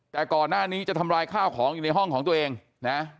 แต่ก่อนหน้านี้จะทำร้ายข้าวของอยู่ในห้องของตัวเองนะ